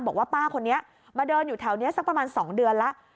บอกว่าป้าคนนี้มาเดินอยู่แถวนี้สักประมาณ๒เดือนแล้ว